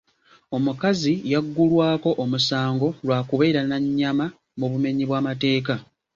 Omukazi yaggulwako omusango lwa kubeera na nnyama mu bumenyi bw'amateeka.